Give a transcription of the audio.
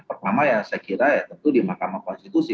pertama ya saya kira ya tentu di mahkamah konstitusi